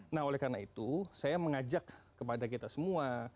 nah oleh karena itu saya mengajak kepada kita semua